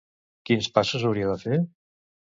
Quins passos hauria de fer?